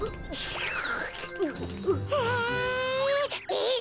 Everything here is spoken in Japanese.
えっ？